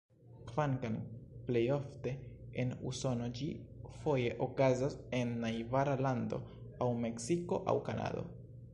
Kvankam plejofte en Usono, ĝi foje okazas en najbara lando, aŭ Meksiko aŭ Kanado.